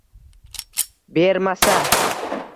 Bermasa